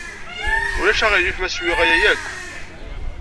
Ulac aɣilif ma swiɣ aya akk?